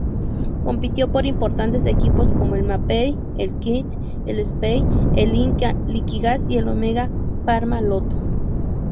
Compitió por importantes equipos como el Mapei-Quick Step, el Liquigas y el Omega Pharma-Lotto.